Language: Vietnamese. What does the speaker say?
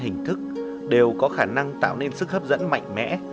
hình thức đều có khả năng tạo nên sức hấp dẫn mạnh mẽ